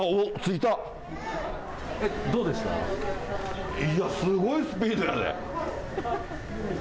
いや、すごいスピードやで。